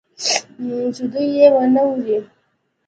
چې دوى يې وانه وري.